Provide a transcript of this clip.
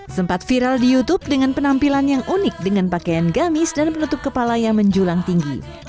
sempat viral di youtube dengan penampilan yang unik dengan pakaian gamis dan penutup kepala yang menjulang tinggi